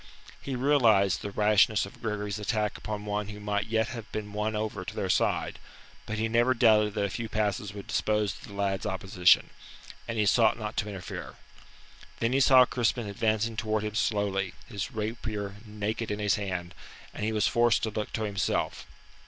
He realized the rashness of Gregory's attack upon one that might yet have been won over to their side; but he never doubted that a few passes would dispose of the lad's opposition, and he sought not to interfere. Then he saw Crispin advancing towards him slowly, his rapier naked in his hand, and he was forced to look to himself.